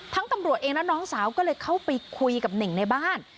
ตำรวจเองและน้องสาวก็เลยเข้าไปคุยกับเน่งในบ้าน